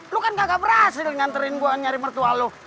lu kan gak berhasil nganterin gue nyari mertua lu